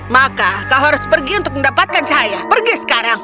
maka kau harus pergi untuk mendapatkan cahaya pergi sekarang